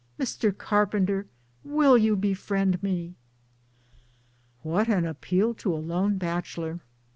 Mr. Carpenter, will you befriend me? " What an appeal to a lone bachelor !